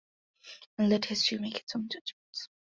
And let history make its own judgments.